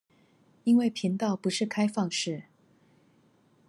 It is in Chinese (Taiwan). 因為頻道不是開放式